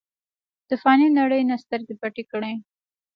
د فانې نړۍ نه سترګې پټې کړې ۔